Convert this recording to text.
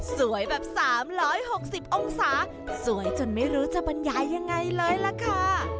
แบบ๓๖๐องศาสวยจนไม่รู้จะบรรยายยังไงเลยล่ะค่ะ